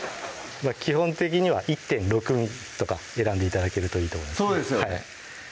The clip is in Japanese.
基本的には１．６とか選んで頂けるといいと思いますそうですよね